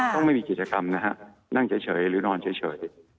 ต้องไม่มีกิจกรรมนะฮะนั่งเฉยหรือนอนเฉย